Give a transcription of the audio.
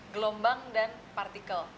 gelombang dan partikel